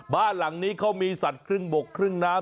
บ้านหลังนี้เขามีสัตว์ครึ่งบกครึ่งน้ำ